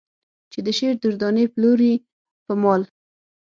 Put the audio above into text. چې د شعر در دانې پلورې په مال.